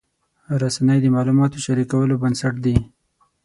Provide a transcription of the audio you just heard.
رسنۍ د معلوماتو شریکولو بنسټ دي.